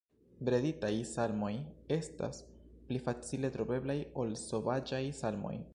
Breditaj salmoj estas pli facile troveblaj ol sovaĝaj salmoj.